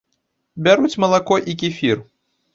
Бяруць малако і кефір.